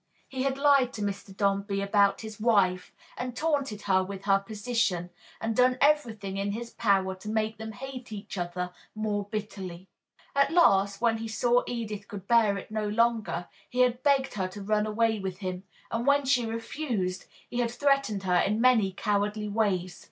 He had lied to Mr. Dombey about his wife and taunted her with her position, and done everything in his power to make them hate each other more bitterly. At last, when he saw Edith could bear it no longer, he had begged her to run away with him, and when she refused, he had threatened her in many cowardly ways.